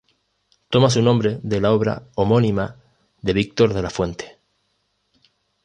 Toma su nombre de la obra homónima de Víctor de la Fuente.